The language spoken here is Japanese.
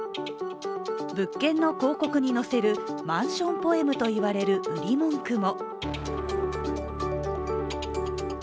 物件の広告に載せるマンションポエムと言われる売り文句も。